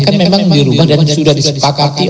kan memang dirubah dan sudah disepakati